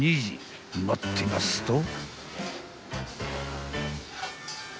［待ってますと］